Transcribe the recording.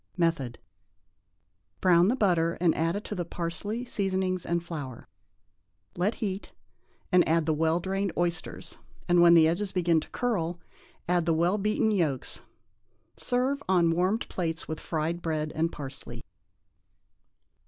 Method. Brown the butter and add to it the parsley, seasonings and flour; let heat, then add the well drained oysters, and, when the edges begin to curl, add the well beaten yolks. Serve on warmed plates, with fried bread and parsley.